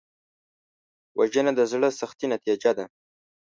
وژنه د زړه سختۍ نتیجه ده